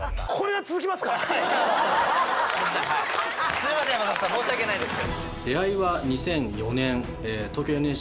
すいません山里さん申し訳ないです。